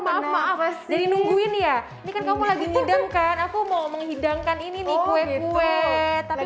maaf maaf jadi nungguin ya ini kan kamu lagi ngidem kan aku mau menghidangkan ini nih kue kue tapi